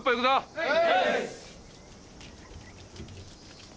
はい！